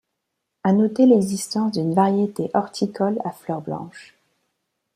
À noter l'existence d'une variété horticole à fleurs blanches.